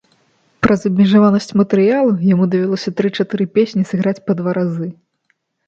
Праз абмежаванасць матэрыялу яму давялося тры-чатыры песні сыграць па два разы.